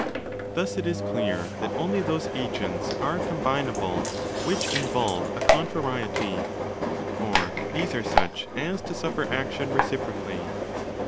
Thus it is clear that only those agents are ' combinable' which involve a contrariety—for these are such as to suffer action reciprocally.